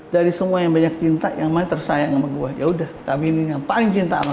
dari semua yang banyak cinta yang mender sayang sama gua ya udah kami ini yang paling cinta sama